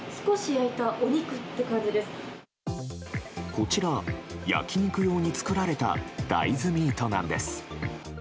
こちら、焼き肉用に作られた大豆ミートなんです。